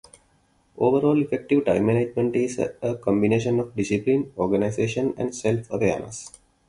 Overall, effective time management is a combination of discipline, organization, and self-awareness.